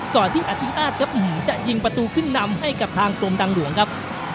ก่อนที่อธิราชครับจะยิงประตูขึ้นนำให้กับทางกรมทางหลวงครับ